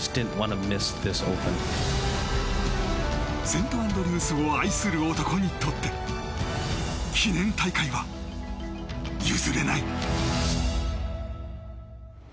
セントアンドリュースを愛する男にとって記念大会は、譲れない。